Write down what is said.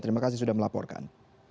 terima kasih sudah melaporkan